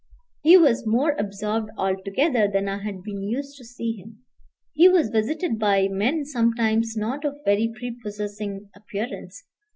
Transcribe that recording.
He was more absorbed altogether than I had been used to see him. He was visited by men sometimes not of very prepossessing appearance.